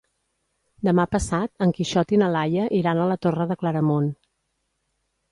Demà passat en Quixot i na Laia iran a la Torre de Claramunt.